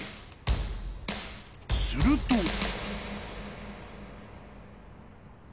［すると］